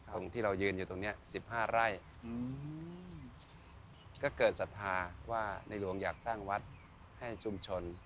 ตรงที่เรายืนอยู่ตรงนี้๑๕ไร่ก็เกินศรัทธาว่าในหลวงอยากสร้างวัดให้ชุมชน